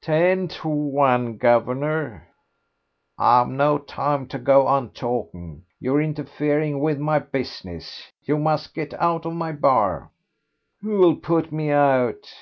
"Ten to one, guv'nor." "I've not time to go on talking.... You're interfering with my business. You must get out of my bar." "Who'll put me out?"